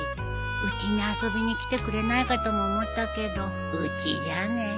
うちに遊びに来てくれないかとも思ったけどうちじゃね。